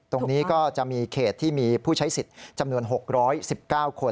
ตรงนี้ก็จะมีเขตที่มีผู้ใช้สิทธิ์จำนวน๖๑๙คน